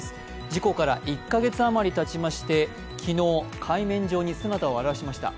事故から１カ月余りたちまして、昨日、海面上に姿を現しました。